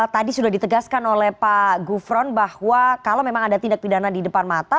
tadi sudah ditegaskan oleh pak gufron bahwa kalau memang ada tindak pidana di depan mata